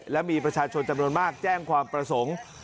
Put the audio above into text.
และมีประชาชนจำนวนมากแจ้งความประสงค์